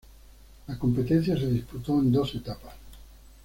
La competencia se disputó en dos etapas.